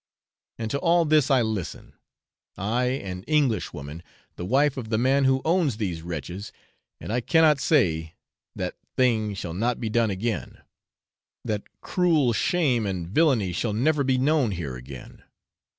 And to all this I listen I, an English woman, the wife of the man who owns these wretches, and I cannot say, 'That thing shall not be done again; that cruel shame and villany shall never be known here again.'